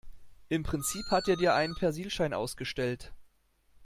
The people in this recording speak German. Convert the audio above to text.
Im Prinzip hat er dir einen Persilschein ausgestellt.